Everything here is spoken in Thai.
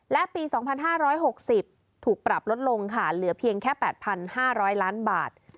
และปี๒๕๖๐ถูกปรับลดลงค่ะเหลือเพียงแค่๘๕๐๐ล้านบาท